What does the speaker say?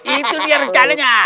itu dia rencananya